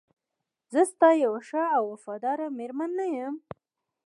زه ستا یوه ښه او وفاداره میرمن نه یم؟